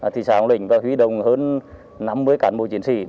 thị xã hồng lĩnh đã hủy động hơn năm mươi cán bộ chiến sĩ để thực hiện nhiệm vụ